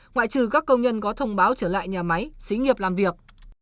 ngoại trừ các công nhân có thông báo trở lại nhà máy xí nghiệp làm việc